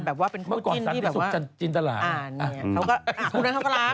แบบว่าเป็นคู่จิ้นที่แบบว่าอาเงียคุณนั่นเขาก็รัก